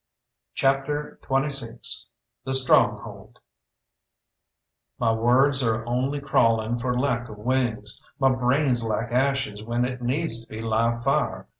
CHAPTER XXVI THE STRONGHOLD My words are only crawling for lack of wings; my brain's like ashes when it needs to be live fire.